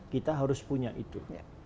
kita harus punya itu